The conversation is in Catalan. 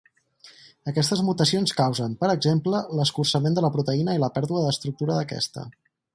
Aquestes mutacions causen, per exemple, l'escurçament de la proteïna i la pèrdua d'estructura d'aquesta.